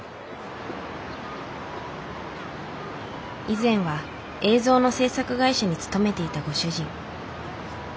以前は映像の制作会社に勤めていたご主人。